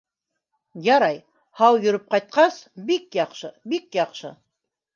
— Ярай, һау йөрөп ҡайтҡас, бик яҡшы, бик яҡшы.